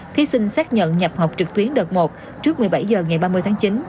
thí sinh xác nhận nhập học trực tuyến đợt một trước một mươi bảy h ngày ba mươi tháng chín